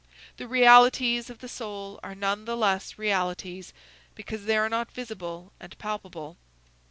The realities of the soul are nonetheless realities because they are not visible and palpable.